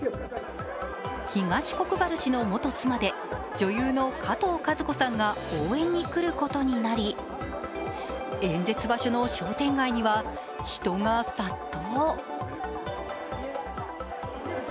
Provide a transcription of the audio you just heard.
東国原氏の元妻で女優のかとうかず子さんが応援に来ることになり演説場所の商店街には人が殺到。